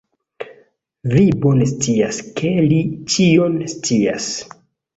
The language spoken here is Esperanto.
Vi bone scias, ke li ĉion scias.